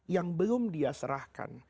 yang belum dia serahkan